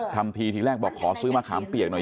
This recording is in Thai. ทำทีทีแรกบอกขอซื้อมะขามเปียกหน่อย